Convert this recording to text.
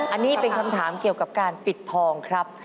อันนี้เป็นคำถามเกี่ยวกับการปิดทองครับ